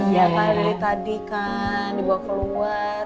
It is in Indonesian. ya dari tadi kan dibawa keluar